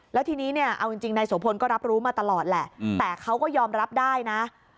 แล้วทีนี้เนี่ยเอาจริงนายโสพลก็รับรู้มาตลอดแหละแต่เขาก็ยอมรับได้นะ